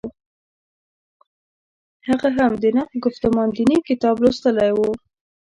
هغه هم «نقد ګفتمان دیني» کتاب لوستلی و.